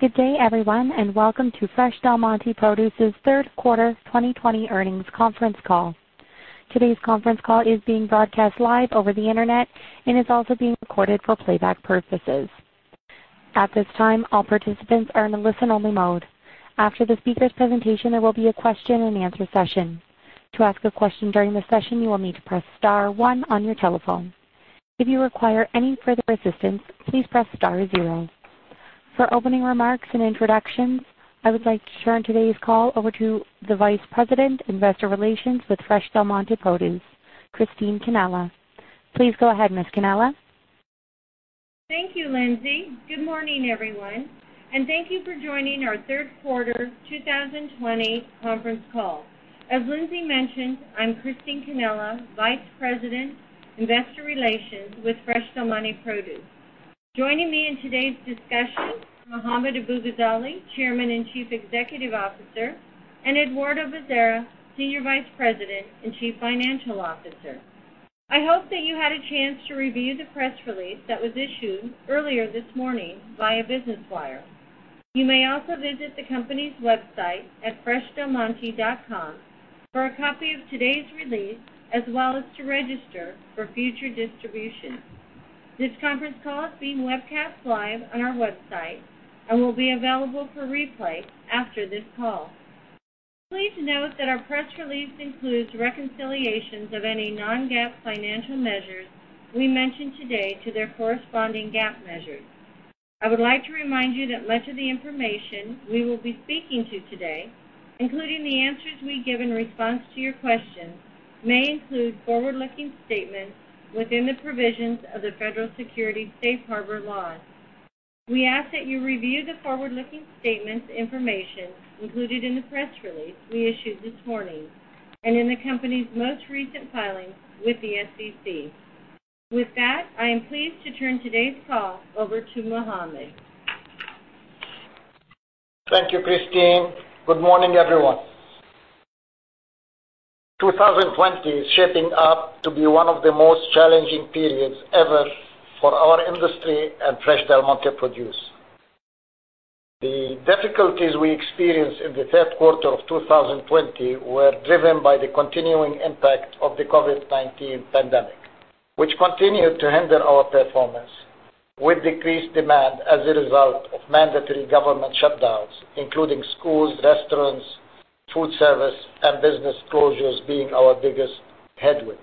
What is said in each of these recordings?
Good day everyone, and welcome to Fresh Del Monte Produce's third quarter 2020 earnings conference call. Today's conference call is being broadcast live over the internet and is also being recorded for playback purposes. At this time, all participants are in listen-only mode. After the speaker's presentation, there will be a question and answer session. To ask a question during the session, you will need to press star one on your telephone. If you require any further assistance, please press star zero. For opening remarks and introductions, I would like to turn today's call over to the Vice President, Investor Relations with Fresh Del Monte Produce, Christine Cannella. Please go ahead, Ms. Cannella. Thank you, Lindsay. Good morning, everyone, and thank you for joining our third quarter 2020 conference call. As Lindsay mentioned, I'm Christine Cannella, Vice President, Investor Relations with Fresh Del Monte Produce. Joining me in today's discussion, Mohammad Abu-Ghazaleh, Chairman and Chief Executive Officer, and Eduardo Bezerra, Senior Vice President and Chief Financial Officer. I hope that you had a chance to review the press release that was issued earlier this morning via Business Wire. You may also visit the company's website at freshdelmonte.com for a copy of today's release, as well as to register for future distribution. This conference call is being webcast live on our website and will be available for replay after this call. Please note that our press release includes reconciliations of any non-GAAP financial measures we mention today to their corresponding GAAP measures. I would like to remind you that much of the information we will be speaking to today, including the answers we give in response to your questions, may include forward-looking statements within the provisions of the Federal Securities Safe Harbor laws. We ask that you review the forward-looking statements information included in the press release we issued this morning and in the company's most recent filings with the SEC. With that, I am pleased to turn today's call over to Mohammad. Thank you, Christine. Good morning, everyone. 2020 is shaping up to be one of the most challenging periods ever for our industry and Fresh Del Monte Produce. The difficulties we experienced in the third quarter of 2020 were driven by the continuing impact of the COVID-19 pandemic, which continued to hinder our performance with decreased demand as a result of mandatory government shutdowns, including schools, restaurants, food service, and business closures being our biggest headwind.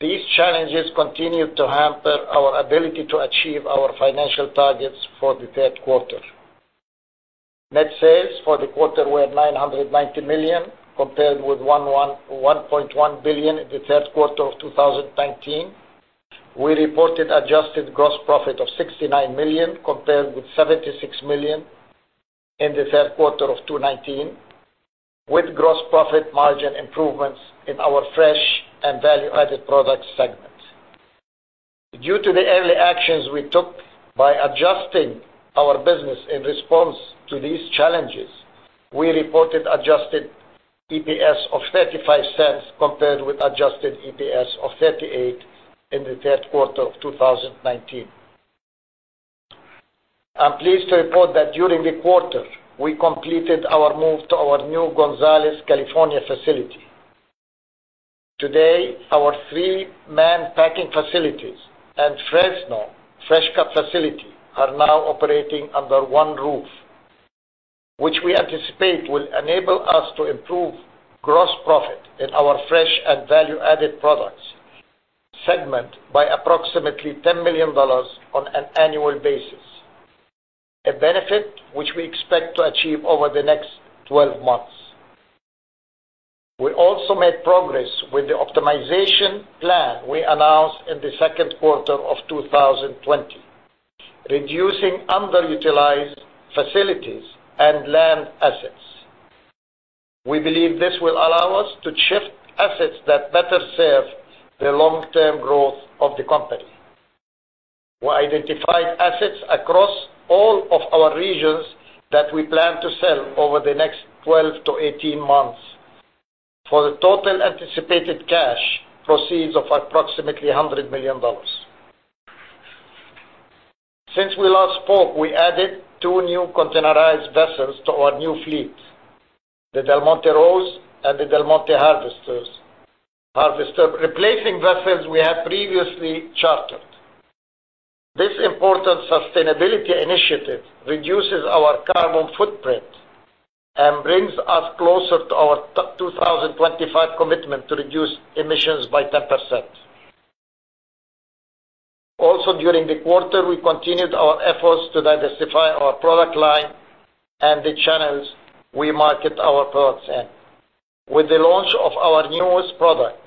These challenges continued to hamper our ability to achieve our financial targets for the third quarter. Net sales for the quarter were $990 million compared with $1.1 billion in the third quarter of 2019. We reported adjusted gross profit of $69 million, compared with $76 million in the third quarter of 2019, with gross profit margin improvements in our fresh and value-added products segment. Due to the early actions we took by adjusting our business in response to these challenges, we reported adjusted EPS of $0.35 compared with adjusted EPS of $0.38 in the third quarter of 2019. I'm pleased to report that during the quarter, we completed our move to our new Gonzales, California facility. Today, our three Mann Packing facilities and Fresno fresh-cut facility are now operating under one roof, which we anticipate will enable us to improve gross profit in our fresh and value-added products segment by approximately $10 million on an annual basis. A benefit which we expect to achieve over the next 12 months. We also made progress with the optimization plan we announced in the second quarter of 2020, reducing underutilized facilities and land assets. We believe this will allow us to shift assets that better serve the long-term growth of the company. We identified assets across all of our regions that we plan to sell over the next 12-18 months for the total anticipated cash proceeds of approximately $100 million. Since we last spoke, we added two new containerized vessels to our new fleet, the Del Monte Rose and the Del Monte Harvester, replacing vessels we had previously chartered. This important sustainability initiative reduces our carbon footprint and brings us closer to our 2025 commitment to reduce emissions by 10%. Also, during the quarter, we continued our efforts to diversify our product line and the channels we market our products in. With the launch of our newest product,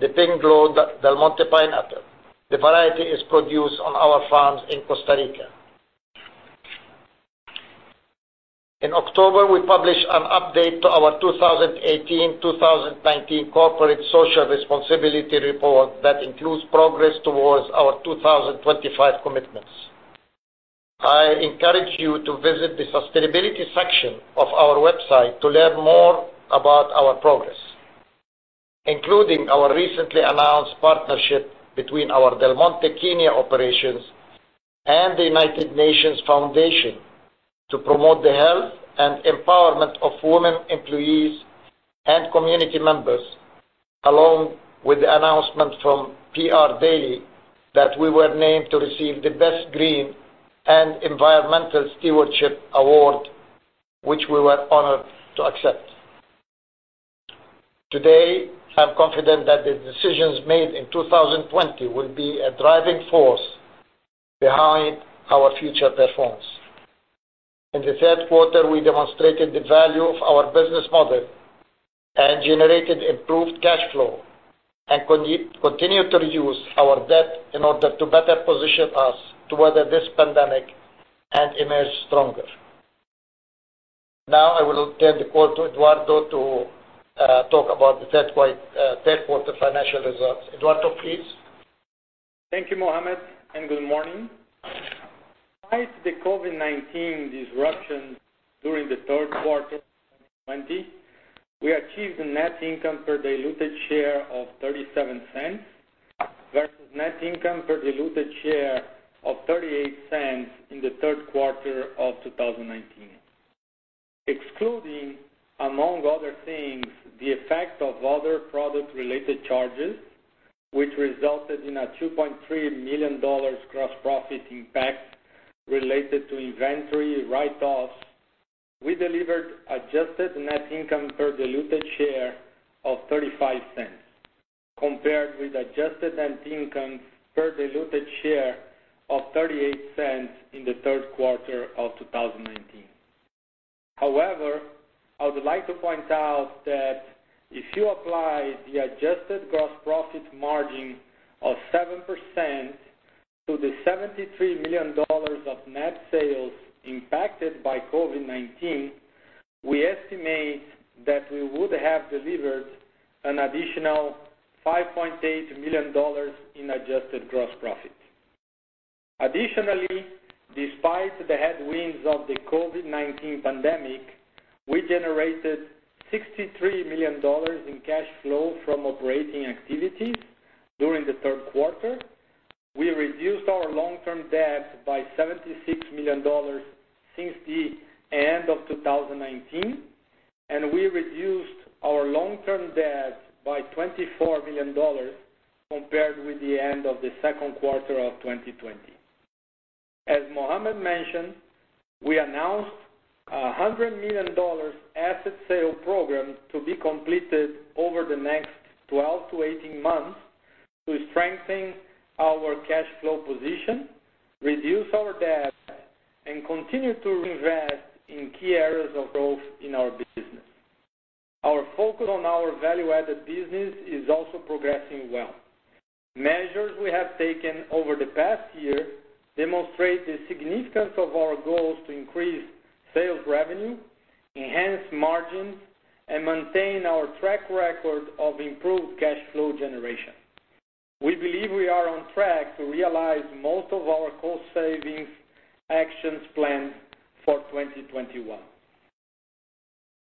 the Pinkglow Del Monte pineapple. The variety is produced on our farms in Costa Rica. In October, we published an update to our 2018/2019 Corporate Social Responsibility Report that includes progress towards our 2025 commitments. I encourage you to visit the sustainability section of our website to learn more about our progress. Including our recently announced partnership between our Del Monte Kenya operations and the United Nations Foundation to promote the health and empowerment of women employees and community members, along with the announcement from PR Daily that we were named to receive the Best Green and Environmental Stewardship Award, which we were honored to accept. Today, I'm confident that the decisions made in 2020 will be a driving force behind our future performance. In the third quarter, we demonstrated the value of our business model and generated improved cash flow, and continued to reduce our debt in order to better position us to weather this pandemic and emerge stronger. Now I will turn the call to Eduardo to talk about the third quarter financial results. Eduardo, please. Thank you, Mohammad, and good morning. Despite the COVID-19 disruption during the third quarter of 2020, we achieved a net income per diluted share of $0.37 versus net income per diluted share of $0.38 in the third quarter of 2019. Excluding, among other things, the effect of other product-related charges, which resulted in a $2.3 million gross profit impact related to inventory write-offs, we delivered adjusted net income per diluted share of $0.35, compared with adjusted net income per diluted share of $0.38 in the third quarter of 2019. However, I would like to point out that if you apply the adjusted gross profit margin of 7% to the $73 million of net sales impacted by COVID-19, we estimate that we would have delivered an additional $5.8 million in adjusted gross profit. Additionally, despite the headwinds of the COVID-19 pandemic, we generated $63 million in cash flow from operating activities during the third quarter. We reduced our long-term debt by $76 million since the end of 2019, and we reduced our long-term debt by $24 million compared with the end of the second quarter of 2020. As Mohammad mentioned, we announced a $100 million asset sale program to be completed over the next 12-18 months to strengthen our cash flow position, reduce our debt, and continue to reinvest in key areas of growth in our business. Our focus on our value-added business is also progressing well. Measures we have taken over the past year demonstrate the significance of our goals to increase sales revenue, enhance margins, and maintain our track record of improved cash flow generation. We believe we are on track to realize most of our cost savings actions planned for 2021.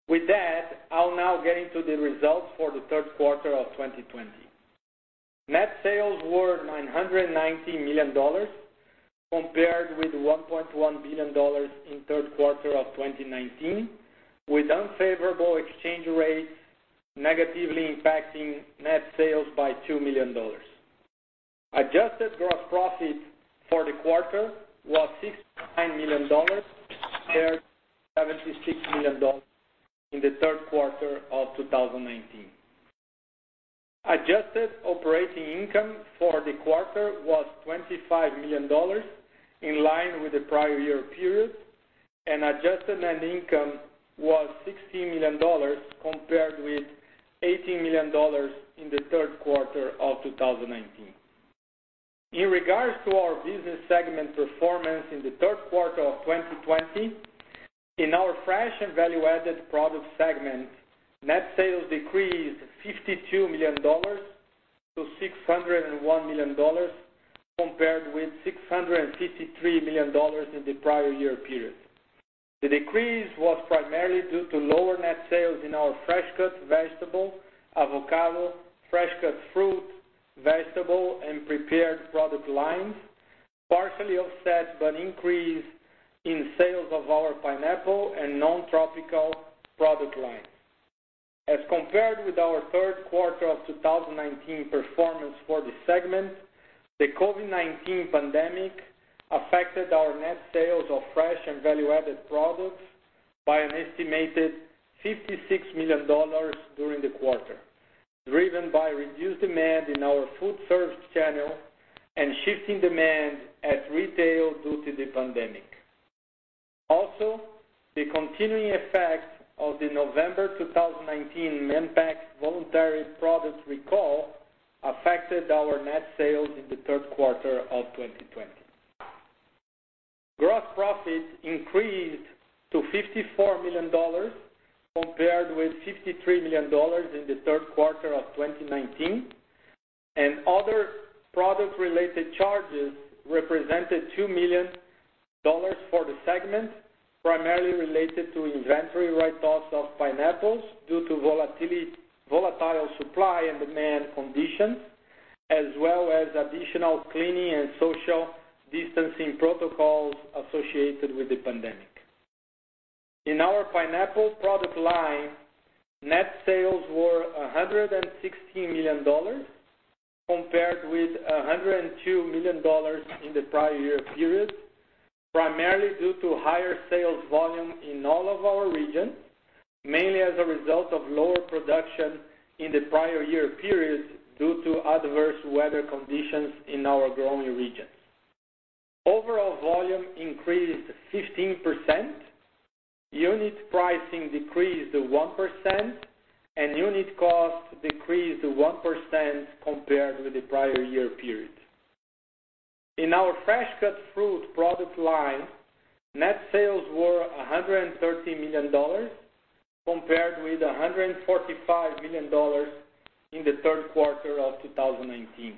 With that, I'll now get into the results for the third quarter of 2020. Net sales were $990 million compared with $1.1 billion in third quarter of 2019, with unfavorable exchange rates negatively impacting net sales by $2 million. Adjusted gross profit for the quarter was $69 million, compared to $76 million in the third quarter of 2019. Adjusted operating income for the quarter was $25 million, in line with the prior year period, and adjusted net income was $16 million, compared with $18 million in the third quarter of 2019. In regards to our business segment performance in the third quarter of 2020, in our Fresh and Value Added Product segment, net sales decreased $52 million to $601 million, compared with $653 million in the prior year period. The decrease was primarily due to lower net sales in our fresh cut vegetable, avocado, fresh cut fruit, vegetable, and prepared product lines, partially offset by an increase in sales of our pineapple and non-tropical product lines. As compared with our third quarter of 2019 performance for the segment, the COVID-19 pandemic affected our net sales of fresh and value-added products by an estimated $56 million during the quarter, driven by reduced demand in our food service channel and shifting demand at retail due to the pandemic. Also, the continuing effect of the November 2019 Mann Packing voluntary product recall affected our net sales in the third quarter of 2020. Gross profit increased to $54 million compared with $53 million in the third quarter of 2019. Other product-related charges represented $2 million for the segment, primarily related to inventory write-offs of pineapples due to volatile supply and demand conditions, as well as additional cleaning and social distancing protocols associated with the pandemic. In our pineapple product line, net sales were $116 million compared with $102 million in the prior year period, primarily due to higher sales volume in all of our regions, mainly as a result of lower production in the prior year period due to adverse weather conditions in our growing regions. Overall volume increased 15%, unit pricing decreased 1%, and unit cost decreased 1% compared with the prior year period. In our fresh cut fruit product line, net sales were $113 million compared with $145 million in the third quarter of 2019.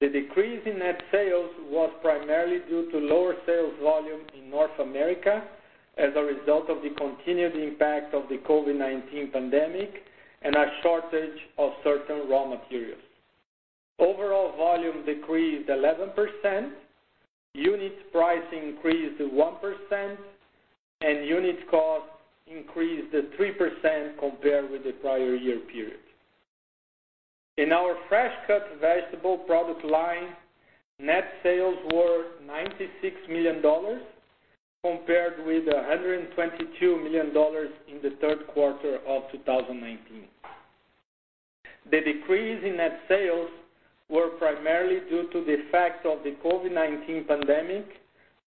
The decrease in net sales was primarily due to lower sales volume in North America as a result of the continued impact of the COVID-19 pandemic and a shortage of certain raw materials. Overall volume decreased 11%, unit pricing increased 1%, and unit cost increased 3% compared with the prior year period. In our fresh cut vegetable product line, net sales were $96 million compared with $122 million in the third quarter of 2019. The decrease in net sales were primarily due to the effect of the COVID-19 pandemic,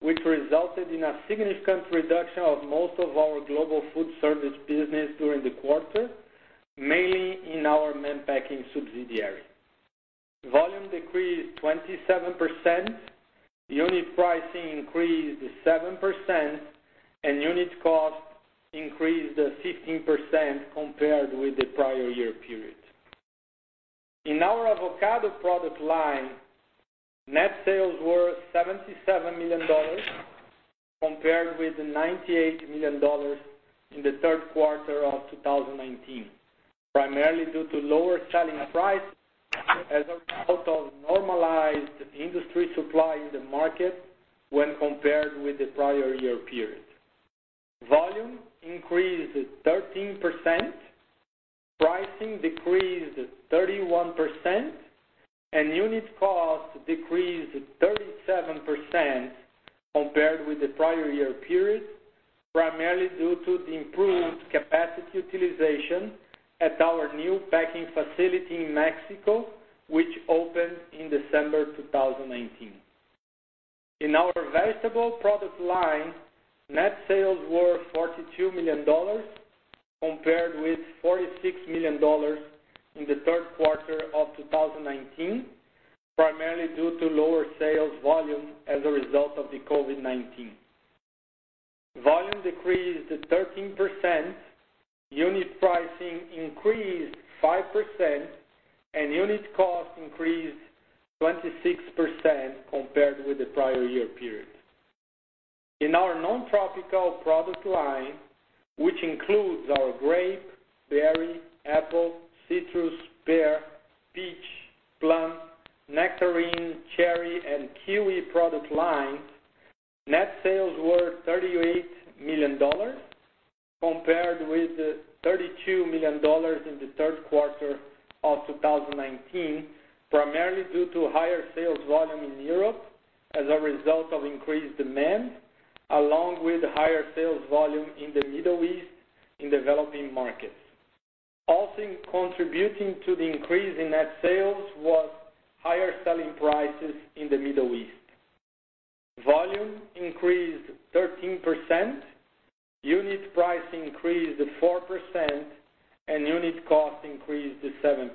which resulted in a significant reduction of most of our global food service business during the quarter, mainly in our Mann Packing subsidiary. Volume decreased 27%, unit pricing increased 7%, and unit cost increased 15% compared with the prior year period. In our avocado product line, net sales were $77 million compared with $98 million in the third quarter of 2019, primarily due to lower selling price as a result of normalized industry supply in the market when compared with the prior year period. Volume increased 13%, pricing decreased 31%, and unit cost decreased 37% compared with the prior year period, primarily due to the improved capacity utilization at our new packing facility in Mexico, which opened in December 2019. In our vegetable product line, net sales were $42 million compared with $46 million in the third quarter of 2019, primarily due to lower sales volume as a result of the COVID-19. Volume decreased 13%, unit pricing increased 5%, and unit cost increased 26% compared with the prior year period. In our non-tropical product line, which includes our grape, berry, apple, citrus, pear, peach, plum, nectarine, cherry, and kiwi product lines, net sales were $38 million compared with $32 million in the third quarter of 2019, primarily due to higher sales volume in Europe as a result of increased demand, along with higher sales volume in the Middle East in developing markets. Also contributing to the increase in net sales was higher selling prices in the Middle East. Volume increased 13%, unit pricing increased 4%, and unit cost increased 7%.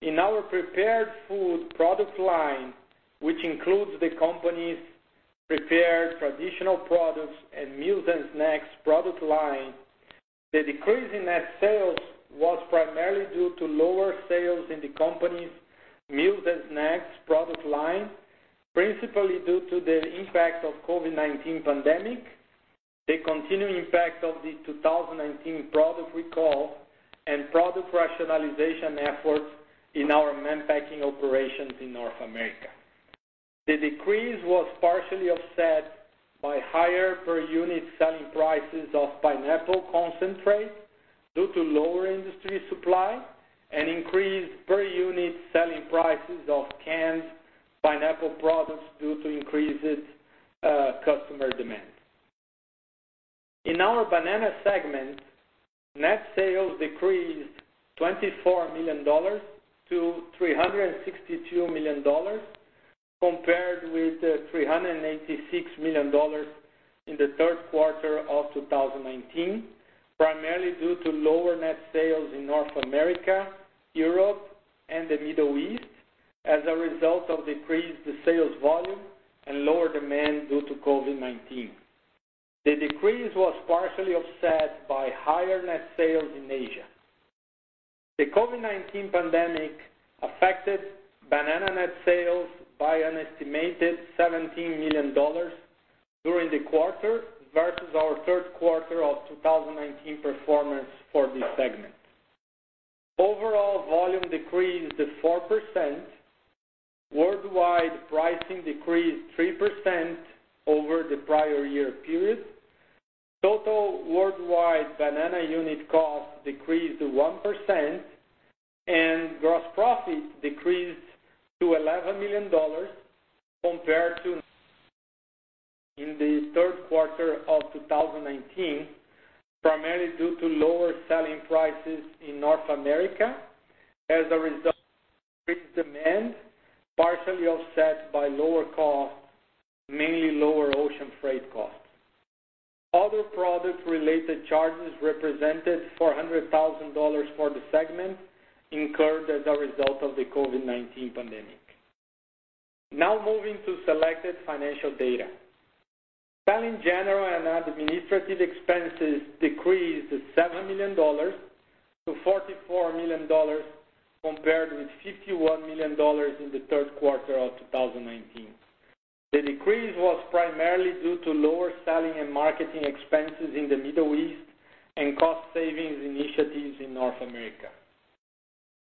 In our prepared food product line, which includes the company's prepared traditional products and meals and snacks product line, the decrease in net sales was primarily due to lower sales in the company's meals and snacks product line, principally due to the impact of COVID-19 pandemic, the continuing impact of the 2019 product recall, and product rationalization efforts in our Mann Packing operations in North America. The decrease was partially offset by higher per-unit selling prices of pineapple concentrate due to lower industry supply and increased per-unit selling prices of canned pineapple products due to increased customer demand. In our banana segment, net sales decreased $24 million to $362 million compared with $386 million in the third quarter of 2019, primarily due to lower net sales in North America, Europe, and the Middle East as a result of decreased sales volume and lower demand due to COVID-19. The decrease was partially offset by higher net sales in Asia. The COVID-19 pandemic affected banana net sales by an estimated $17 million during the quarter versus our third quarter of 2019 performance for this segment. Overall volume decreased to 4%. Worldwide pricing decreased 3% over the prior year period. Total worldwide banana unit cost decreased to 1%, and gross profit decreased to $11 million compared to in the third quarter of 2019, primarily due to lower selling prices in North America as a result of decreased demand, partially offset by lower cost, mainly lower ocean freight costs. Other product-related charges represented $400,000 for the segment incurred as a result of the COVID-19 pandemic. Now moving to selected financial data. Selling, general, and administrative expenses decreased to $7 million to $44 million compared with $51 million in the third quarter of 2019. The decrease was primarily due to lower selling and marketing expenses in the Middle East and cost savings initiatives in North America.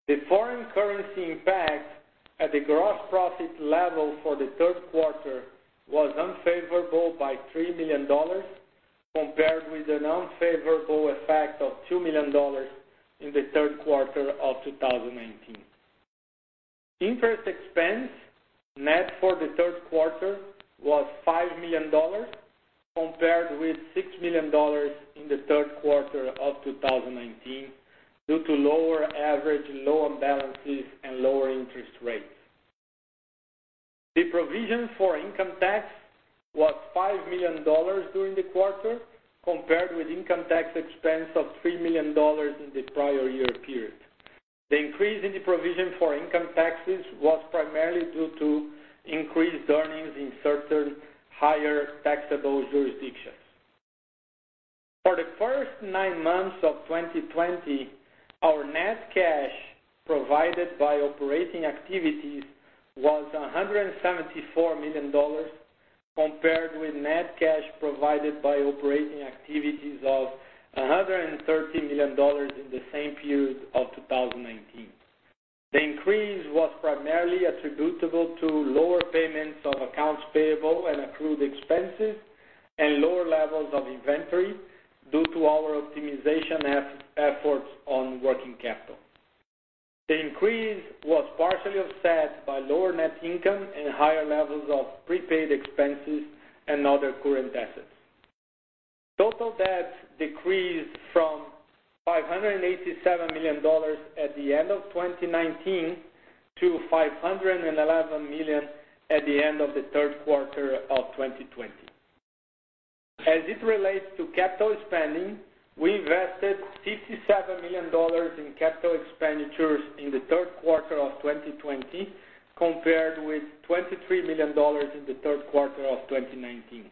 The foreign currency impact at the gross profit level for the third quarter was unfavorable by $3 million compared with an unfavorable effect of $2 million in the third quarter of 2019. Interest expense net for the third quarter was $5 million compared with $6 million in the third quarter of 2019 due to lower average loan balances and lower interest rates. The provision for income tax was $5 million during the quarter compared with income tax expense of $3 million in the prior year period. The increase in the provision for income taxes was primarily due to increased earnings in certain higher taxable jurisdictions. For the first nine months of 2020, our net cash provided by operating activities was $174 million compared with net cash provided by operating activities of $130 million in the same period of 2019. The increase was primarily attributable to lower payments of accounts payable and accrued expenses and lower levels of inventory due to our optimization efforts on working capital. The increase was partially offset by lower net income and higher levels of prepaid expenses and other current assets. Total debt decreased from $587 million at the end of 2019 to $511 million at the end of the third quarter of 2020. As it relates to capital spending, we invested $57 million in capital expenditures in the third quarter of 2020 compared with $23 million in the third quarter of 2019.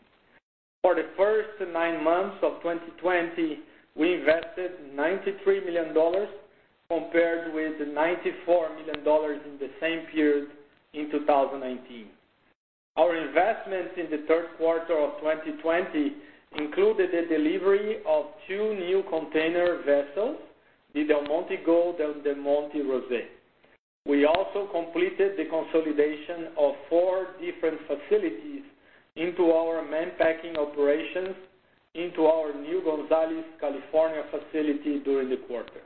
For the first nine months of 2020, we invested $93 million compared with $94 million in the same period in 2019. Our investments in the third quarter of 2020 included the delivery of two new container vessels, the Del Monte Gold and the Del Monte Rose. We also completed the consolidation of four different facilities into our Mann Packing operations into our new Gonzales, California, facility during the quarter.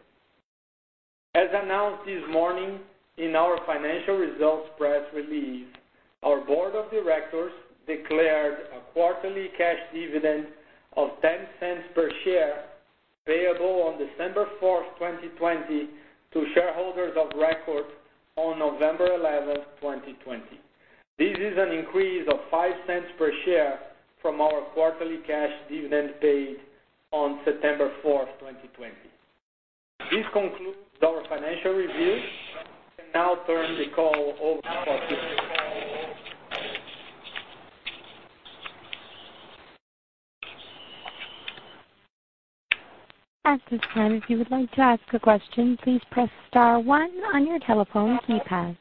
As announced this morning in our financial results press release, our board of directors declared a quarterly cash dividend of $0.10 per share payable on December fourth, 2020 to shareholders of record on November 11th, 2020. This is an increase of $0.05 per share from our quarterly cash dividend paid on September fourth, 2020. This concludes our financial review. I can now turn the call over to operator. At this time, if you would like to ask a question, please press star one on your telephone keypad.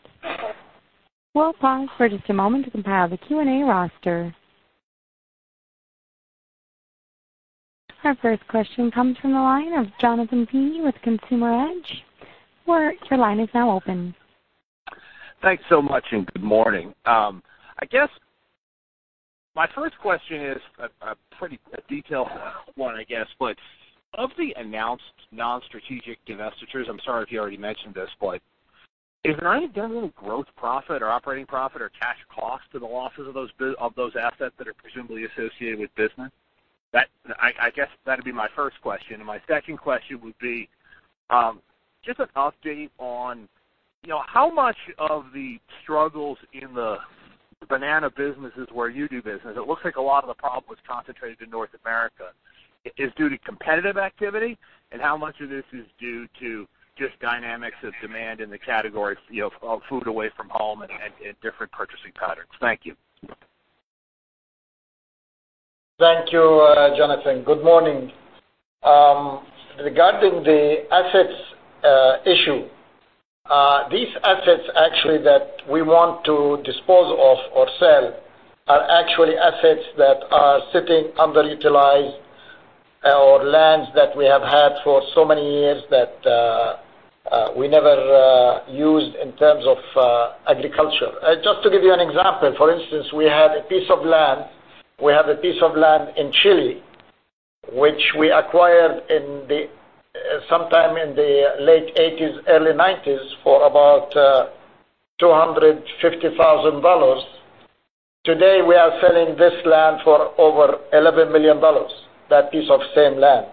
We'll pause for just a moment to compile the Q&A roster. Our first question comes from the line of Jonathan Feeney with Consumer Edge. Sir, your line is now open. Thanks so much. Good morning. My first question is a pretty detailed one. Of the announced non-strategic divestitures, I'm sorry if you already mentioned this, is there any general gross profit or operating profit or cash cost to the losses of those assets that are presumably associated with business? That'd be my first question. My second question would be just an update on how much of the struggles in the banana businesses where you do business. It looks like a lot of the problem was concentrated in North America is due to competitive activity, and how much of this is due to just dynamics of demand in the category of food away from home and different purchasing patterns? Thank you. Thank you, Jonathan. Good morning. Regarding the assets issue, these assets actually that we want to dispose of or sell are actually assets that are sitting underutilized, or lands that we have had for so many years that we never used in terms of agriculture. Just to give you an example, for instance, we have a piece of land in Chile, which we acquired sometime in the late 1980s, early 1990s, for about $250,000. Today, we are selling this land for over $11 million, that piece of same land,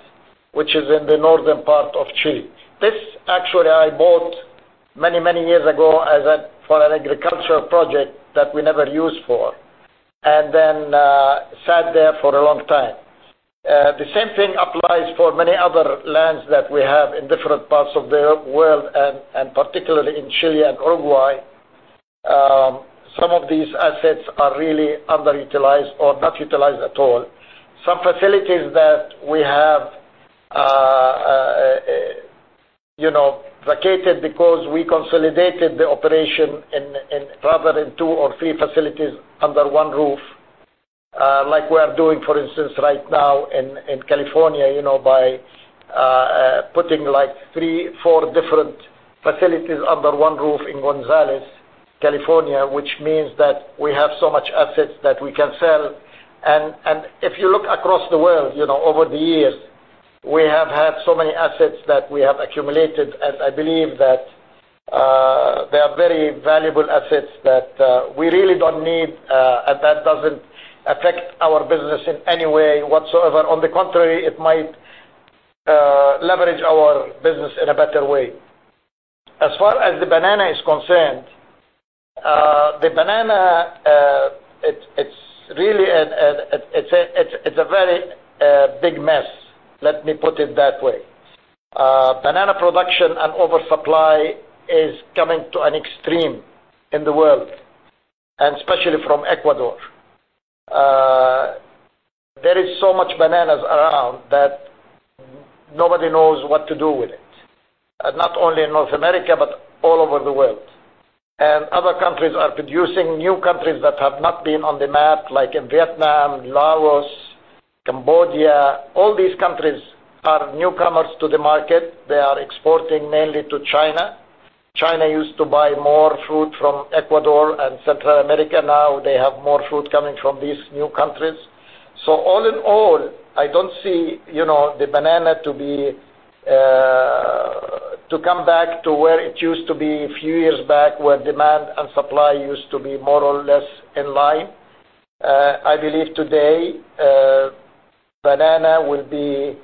which is in the northern part of Chile. This actually I bought many years ago for an agricultural project that we never used for, and then sat there for a long time. The same thing applies for many other lands that we have in different parts of the world, and particularly in Chile and Uruguay. Some of these assets are really underutilized or not utilized at all. Some facilities that we have vacated because we consolidated the operation, rather in two or three facilities under one roof, like we are doing for instance, right now in California, by putting three, four different facilities under one roof in Gonzales, California, which means that we have so many assets that we can sell. If you look across the world, over the years, we have had so many assets that we have accumulated. I believe that they are very valuable assets that we really don't need, and that doesn't affect our business in any way whatsoever. On the contrary, it might leverage our business in a better way. As far as the banana is concerned, the banana, it's a very big mess. Let me put it that way. Banana production and oversupply is coming to an extreme in the world, and especially from Ecuador. There is so much bananas around that nobody knows what to do with it, not only in North America, but all over the world. Other countries are producing, new countries that have not been on the map, like Vietnam, Laos, Cambodia. All these countries are newcomers to the market. They are exporting mainly to China. China used to buy more fruit from Ecuador and Central America. Now they have more fruit coming from these new countries. All in all, I don't see the banana to come back to where it used to be a few years back, where demand and supply used to be more or less in line. I believe today, banana will be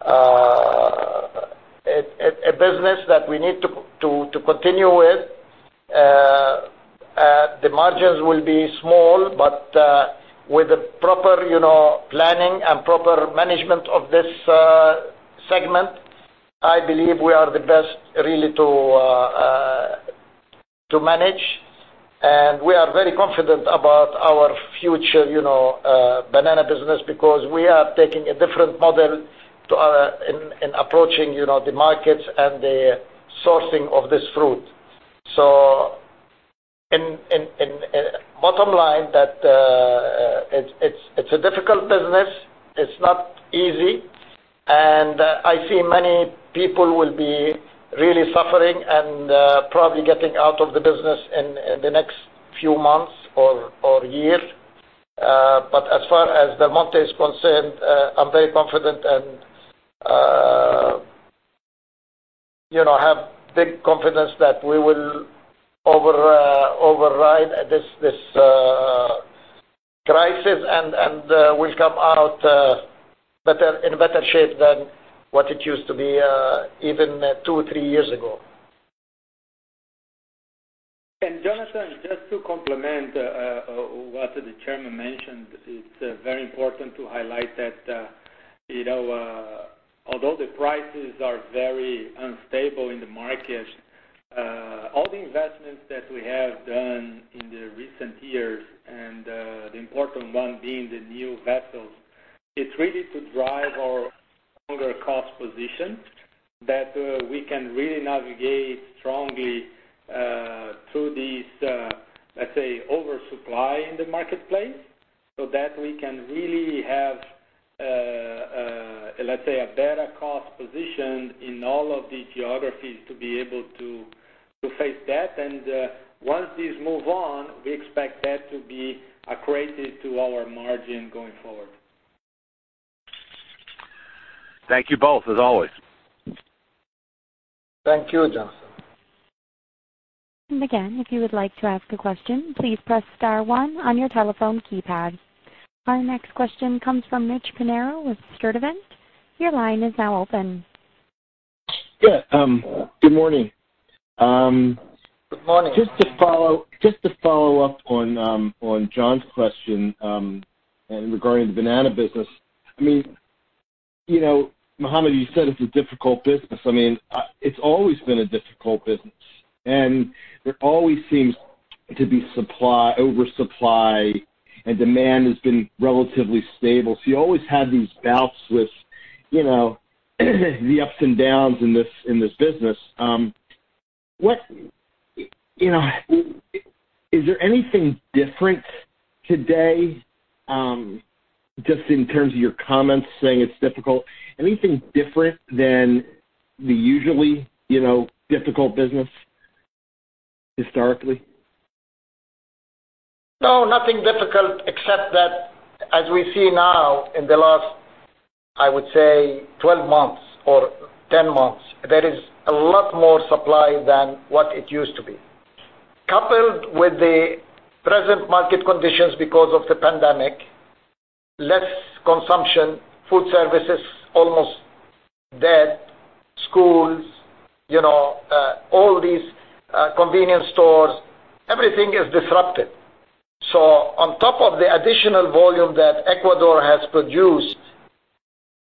a business that we need to continue with. The margins will be small, with the proper planning and proper management of this segment, I believe we are the best, really, to manage. We are very confident about our future banana business because we are taking a different model in approaching the markets and the sourcing of this fruit. Bottom line, that it's a difficult business. It's not easy. I see many people will be really suffering and probably getting out of the business in the next few months or year. As far as Del Monte is concerned, I'm very confident and have big confidence that we will override this crisis, and will come out in better shape than what it used to be even two, three years ago. Jonathan, just to complement what the chairman mentioned, it's very important to highlight that although the prices are very unstable in the market, all the investments that we have done in the recent years, and the important one being the new vessels, it's really to drive our lower cost position that we can really navigate strongly through this, let's say, oversupply in the marketplace, so that we can really have, let's say, a better cost position in all of these geographies to be able to face that. Once these move on, we expect that to be accretive to our margin going forward. Thank you both, as always. Thank you, Jonathan. Again, if you would like to ask a question, please press star one on your telephone keypad. Our next question comes from Mitch Pinheiro with Sturdivant. Your line is now open. Yeah. Good morning. Good morning. Just to follow up on Jon's question regarding the banana business. Mohammad, you said it's a difficult business. It's always been a difficult business, and there always seems to be oversupply, and demand has been relatively stable. You always have these bouts with the ups and downs in this business. Is there anything different today, just in terms of your comments saying it's difficult? Anything different than the usually difficult business historically? No, nothing difficult except that as we see now in the last, I would say 12 months or 10 months, there is a lot more supply than what it used to be. Coupled with the present market conditions because of the pandemic, less consumption, food services almost dead, schools, all these convenience stores, everything is disrupted. On top of the additional volume that Ecuador has produced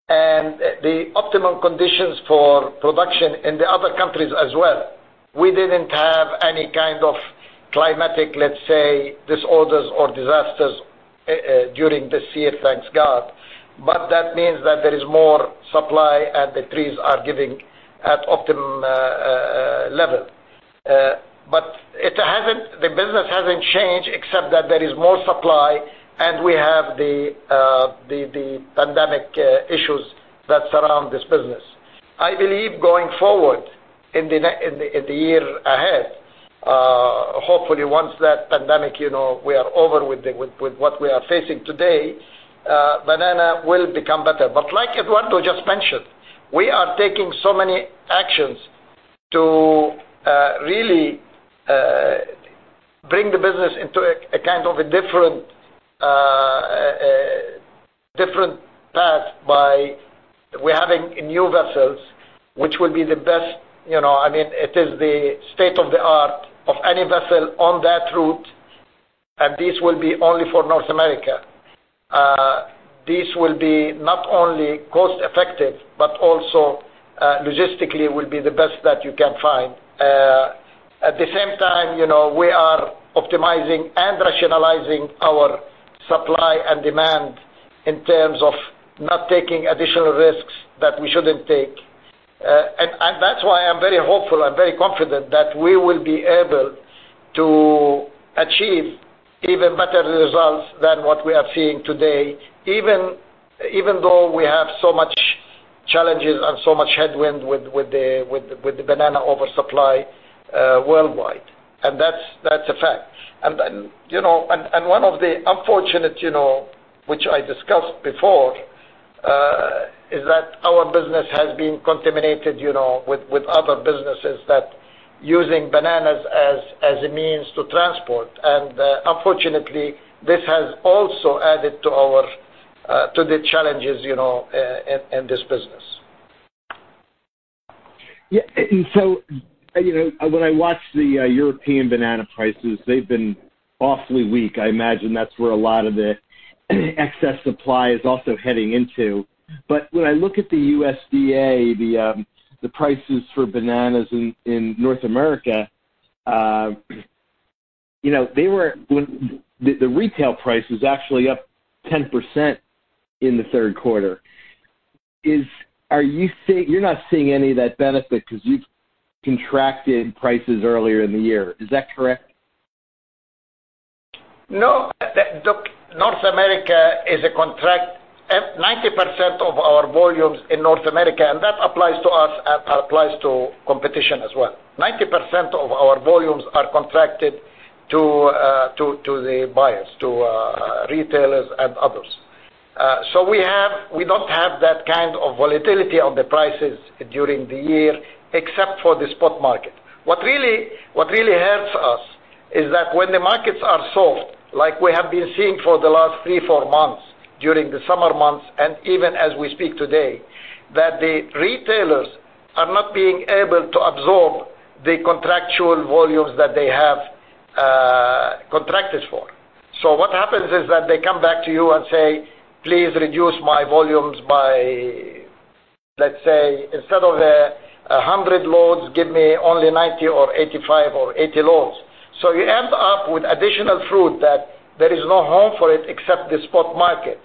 and the optimum conditions for production in the other countries as well, we didn't have any kind of climatic, let's say, disorders or disasters, during this year, thanks God. That means that there is more supply and the trees are giving at optimum level. The business hasn't changed except that there is more supply, and we have the pandemic issues that surround this business. I believe going forward in the year ahead, hopefully once that pandemic, we are over with what we are facing today, banana will become better. Like Eduardo just mentioned, we are taking so many actions to really bring the business into a kind of a different path by we having new vessels, which will be the best. It is the state of the art of any vessel on that route, and this will be only for North America. This will be not only cost effective, but also logistically will be the best that you can find. At the same time, we are optimizing and rationalizing our supply and demand in terms of not taking additional risks that we shouldn't take. That's why I'm very hopeful and very confident that we will be able to achieve even better results than what we are seeing today, even though we have so much challenges and so much headwind with the banana oversupply worldwide. That's a fact. One of the unfortunate, which I discussed before, is that our business has been contaminated with other businesses that using bananas as a means to transport. Unfortunately, this has also added to the challenges in this business. Yeah. When I watch the European banana prices, they've been awfully weak. I imagine that's where a lot of the excess supply is also heading into. When I look at the USDA, the prices for bananas in North America, the retail price was actually up 10% in the third quarter. You're not seeing any of that benefit because you've contracted prices earlier in the year. Is that correct? No. Look, North America is a contract. 90% of our volumes in North America, and that applies to us and applies to competition as well. 90% of our volumes are contracted to the buyers, to retailers, and others. We don't have that kind of volatility on the prices during the year, except for the spot market. What really hurts us is that when the markets are soft, like we have been seeing for the last three, four months, during the summer months, and even as we speak today, that the retailers are not being able to absorb the contractual volumes that they have contracted for. What happens is that they come back to you and say, "Please reduce my volumes by, let's say, instead of 100 loads, give me only 90 or 85 or 80 loads." You end up with additional fruit that there is no home for it except the spot market.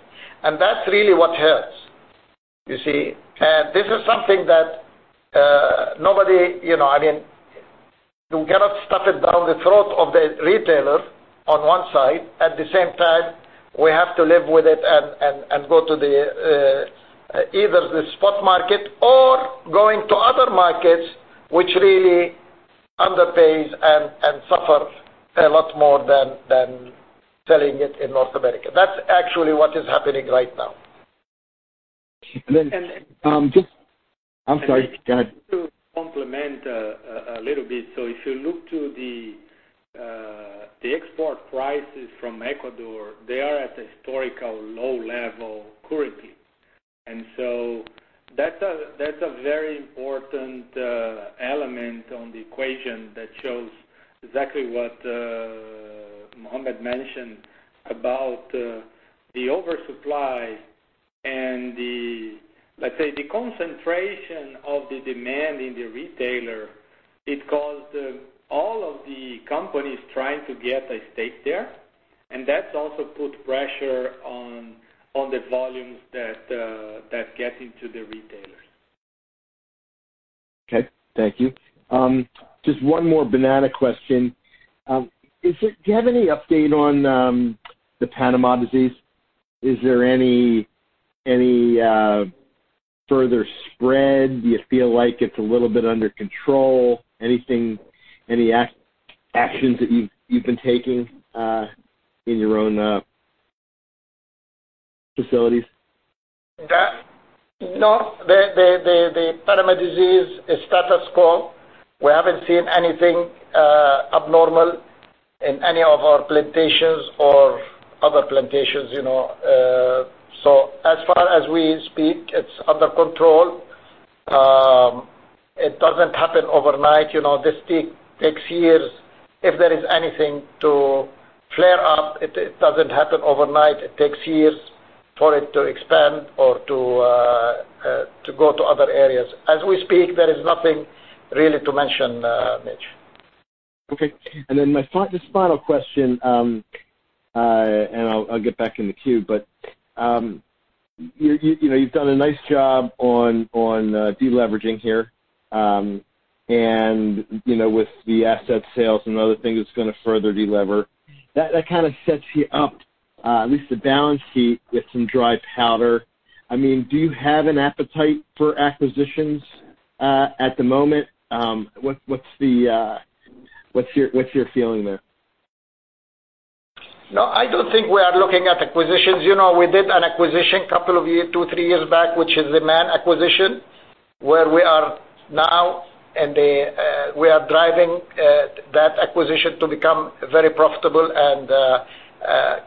That's really what hurts. You see? This is something that you cannot stuff it down the throat of the retailer on one side. At the same time, we have to live with it and go to either the spot market or going to other markets, which really underpays and suffers a lot more than selling it in North America. That's actually what is happening right now. Just I'm sorry. Go ahead. To complement a little bit. If you look to the export prices from Ecuador, they are at a historical low level currently. That's a very important element on the equation that shows exactly what Mohammad mentioned about the oversupply and the, let's say, the concentration of the demand in the retailer. It caused all of the companies trying to get a stake there, and that's also put pressure on the volumes that get into the retailers. Okay. Thank you. Just one more banana question. Do you have any update on the Panama disease? Is there any further spread? Do you feel like it's a little bit under control? Anything, any actions that you've been taking in your own facilities? No. The Panama disease is status quo. We haven't seen anything abnormal in any of our plantations or other plantations. As far as we speak, it's under control. It doesn't happen overnight. This takes years. If there is anything to flare up, it doesn't happen overnight. It takes years for it to expand or to go to other areas. As we speak, there is nothing really to mention, Mitch. Okay. Then my final question, and I'll get back in the queue, but you've done a nice job on de-leveraging here, and with the asset sales and other things, it's going to further de-lever. That kind of sets you up, at least the balance sheet, with some dry powder. Do you have an appetite for acquisitions at the moment? What's your feeling there? No, I don't think we are looking at acquisitions. We did an acquisition a couple of year, two, three years back, which is the Mann acquisition, where we are now, and we are driving that acquisition to become very profitable and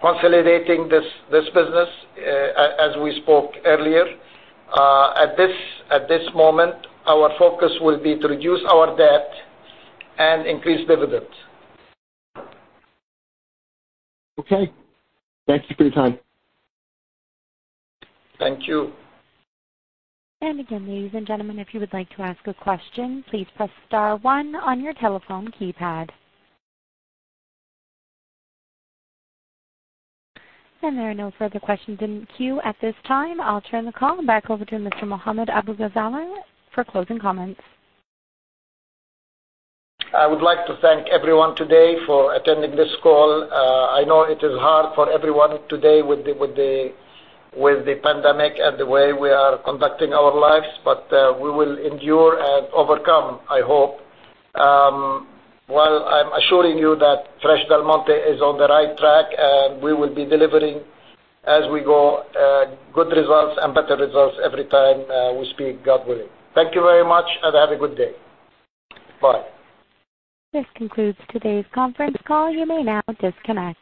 consolidating this business, as we spoke earlier. At this moment, our focus will be to reduce our debt and increase dividends. Okay. Thanks for your time. Thank you. Again, ladies and gentlemen, if you would like to ask a question, please press star one on your telephone keypad. There are no further questions in queue at this time. I'll turn the call back over to Mr. Mohammad Abu-Ghazaleh for closing comments. I would like to thank everyone today for attending this call. I know it is hard for everyone today with the pandemic and the way we are conducting our lives, but we will endure and overcome, I hope. Well, I'm assuring you that Fresh Del Monte is on the right track, and we will be delivering as we go, good results and better results every time we speak, God willing. Thank you very much, and have a good day. Bye. This concludes today's conference call. You may now disconnect.